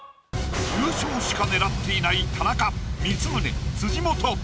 優勝しか狙っていない田中光宗辻元。